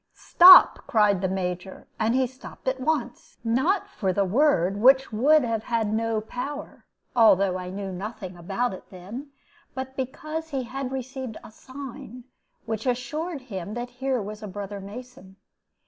"Stop!" cried the Major, and he stopped at once, not for the word, which would have had no power, although I knew nothing about it then, but because he had received a sign which assured him that here was a brother Mason.